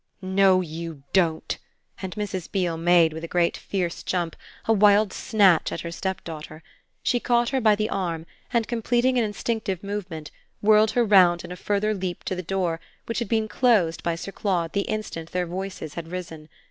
"No you don't!" and Mrs. Beale made, with a great fierce jump, a wild snatch at her stepdaughter. She caught her by the arm and, completing an instinctive movement, whirled her round in a further leap to the door, which had been closed by Sir Claude the instant their voices had risen.